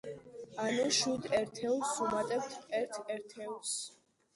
ანუ, შვიდ ერთეულს ვუმატებთ ერთ ერთეულს.